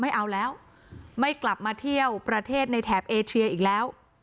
ไม่เอาแล้วไม่กลับมาเที่ยวประเทศในแถบเอเชียอีกแล้ว